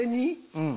うん。